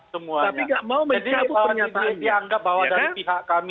tapi nggak mau mencabut penyelidikan